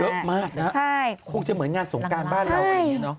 เยอะมากนะคงจะเหมือนงานสงการบ้านเราอย่างนี้